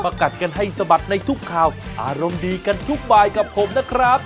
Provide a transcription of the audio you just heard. กัดกันให้สะบัดในทุกข่าวอารมณ์ดีกันทุกบายกับผมนะครับ